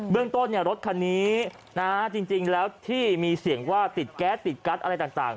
เรื่องต้นรถคันนี้จริงแล้วที่มีเสียงว่าติดแก๊สติดกัสอะไรต่าง